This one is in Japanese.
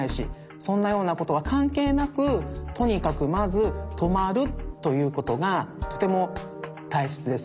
そんなようなことはかんけいなくとにかくまずとまるということがとてもたいせつですね。